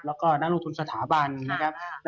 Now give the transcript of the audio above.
แล้วก็นักลงทุนสถาบันนะครับ